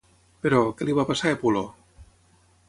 Però, què li va passar a Epuló?